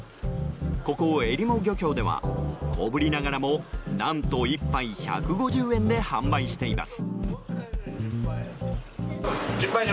ここ、えりも漁協では小ぶりながらも何と１杯１５０円で販売しています。